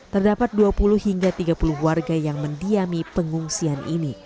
terdapat dua puluh hingga tiga puluh warga yang mendiami pengungsian ini